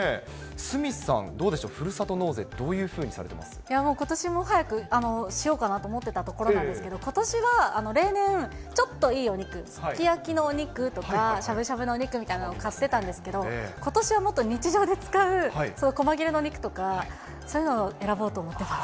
鷲見さん、どうでしょう、ふるさと納税、どういうふうにされてまもう、ことしも早くしようかなと思ってたところなんですけど、ことしは例年、ちょっといいお肉、すき焼きのお肉とか、しゃぶしゃぶのお肉みたいなのを買ってたんですけど、ことしはもっと日常で使う、そういうこま切れのお肉とか、そういうのを選ぼうと思ってます。